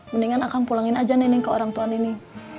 mendingan akang pulangin aja neneng ke orangtua neneng